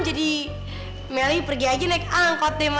jadi meli pergi aja naik angkot deh ma